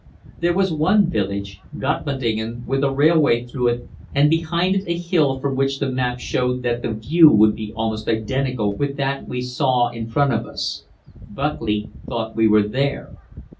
There was one village, Gottmadingen, with a railway through it, and behind it a hill from which the map showed that the view would be almost identical with that we saw in front of us. Buckley thought we were there.